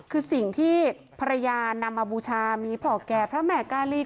คุณปุ้ยอายุ๓๒นางความร้องไห้พูดคนเดี๋ยว